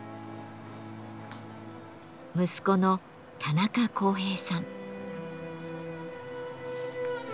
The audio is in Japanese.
息子の田中宏平さん。